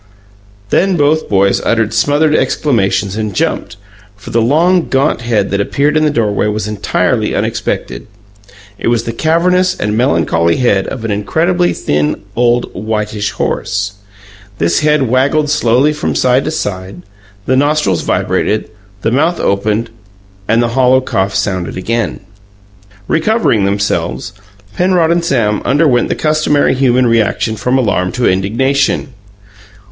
Then both boys uttered smothered exclamations and jumped, for the long, gaunt head that appeared in the doorway was entirely unexpected. It was the cavernous and melancholy head of an incredibly thin, old, whitish horse. This head waggled slowly from side to side; the nostrils vibrated; the mouth opened, and the hollow cough sounded again. Recovering themselves, Penrod and Sam underwent the customary human reaction from alarm to indignation.